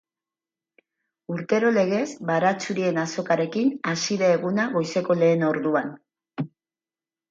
Urtero legez baratxurien azokarekin hasi da eguna goizeko lehen orduan.